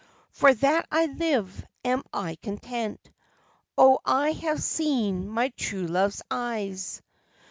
"For that I live am I content (Oh! I have seen my true love's eyes!)